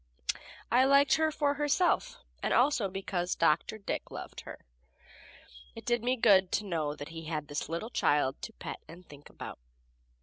I liked her for herself, and also because Dr. Dick loved her. It did me good to know that he had this little child to pet and think about.